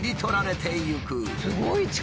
すごい力！